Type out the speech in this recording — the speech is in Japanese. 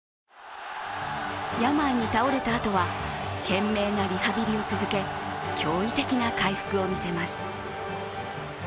病に倒れたあとは懸命なリハビリを続け驚異的な回復を見せます。